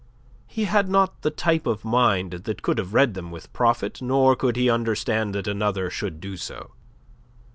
He had not the type of mind that could have read them with profit nor could he understand that another should do so.